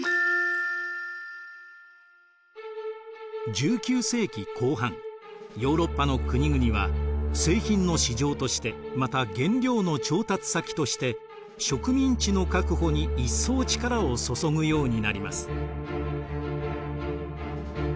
１９世紀後半ヨーロッパの国々は製品の市場としてまた原料の調達先として植民地の確保に一層力を注ぐようになります。